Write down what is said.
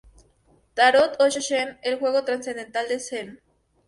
Tarot Osho Zen: El Juego Trascendental del Zen.